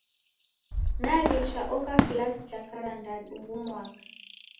Naghesha oka kilasi cha karandadu ughu mwaka.